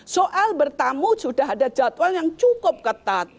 soal bertamu sudah ada jadwal yang cukup ketat